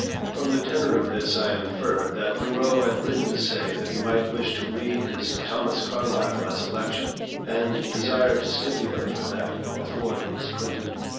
From the tenor of this I infer that Thoreau had written to say that he might wish to read his "Thomas Carlyle" as a lecture, and desired to stipulate for that before it was printed.